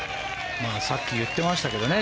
さっき言ってましたけどね。